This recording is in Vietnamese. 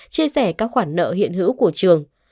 chia sẻ các khoản nợ hiện hữu của trường